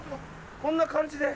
こんな感じで？